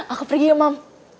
aku pergi ya mam